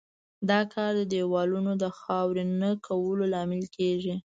دا کار د دېوالونو د خاوره نه کولو لامل کیږي.